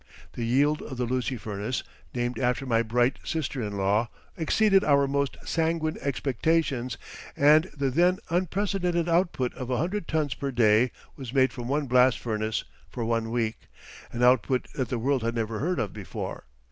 The yield of the Lucy Furnace (named after my bright sister in law) exceeded our most sanguine expectations and the then unprecedented output of a hundred tons per day was made from one blast furnace, for one week an output that the world had never heard of before.